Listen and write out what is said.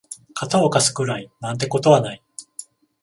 肩を貸すくらいなんてことはない